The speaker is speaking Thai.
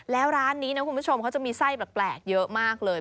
แล้วร้านนี้นะคุณผู้ชมเขาจะมีไส้แปลกเยอะมากเลย